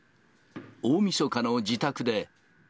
大みそかの自宅で。